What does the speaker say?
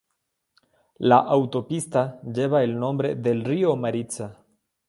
La autopista lleva el nombre del Río Maritsa.